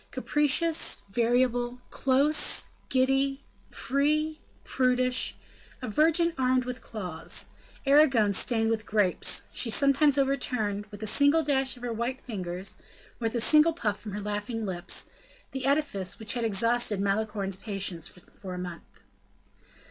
Capricious, variable, close, giddy, free, prudish, a virgin armed with claws, Erigone stained with grapes, she sometimes overturned, with a single dash of her white fingers, or with a single puff from her laughing lips, the edifice which had exhausted Malicorne's patience for a month.